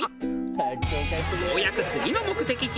ようやく次の目的地